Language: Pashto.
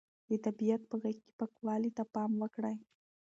د طبیعت په غېږ کې پاکوالي ته پام وکړئ.